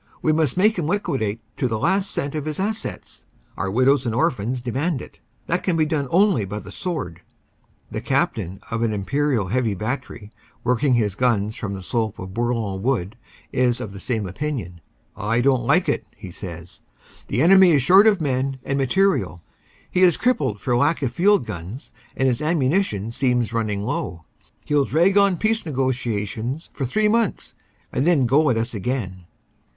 We must make him liquidate to the last cent of his assets. Our widows and orphans demand it. That can be done only by the sword." The Captain of an imperial heavy battery, working his guns from the slope of Bourlon Wood, is of the same opinion. "I don t like it," he says. "The enemy is short of men and material. He is crippled for lack of field guns and his ammu nition seems running low. He ll drag on peace negotiations for three months and then go at us again."